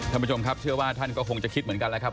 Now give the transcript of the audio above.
ท่านผู้ชมครับเชื่อว่าท่านก็คงจะคิดเหมือนกันแล้วครับ